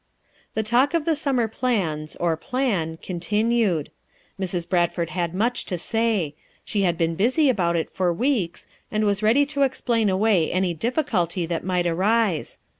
The talk of the summer plans, or plan, con tinued; Mrs. Bradford had much to say; sho had been busy about it for weeks, and was ready to explain away any difficulty that might arise.